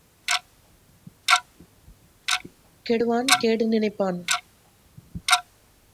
கெடுவான் கேடு நினைப்பான்.